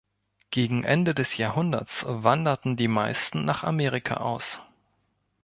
Gegen Ende des Jahrhunderts wanderten die meisten nach Amerika aus.